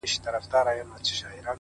لوړ همت لوړې پایلې راوړي!